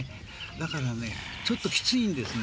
だから、ちょっときついんですね。